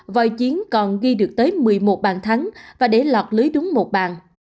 vòi chiến còn ghi được tới một mươi một bàn thắng và để lọt lưới đúng một bàn